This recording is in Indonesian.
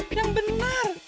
ah yang benar